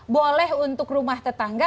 boleh untuk rumah tetangga